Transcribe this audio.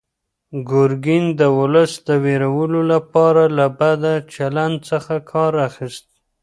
ګورګین د ولس د وېرولو لپاره له بد چلند څخه کار اخیست.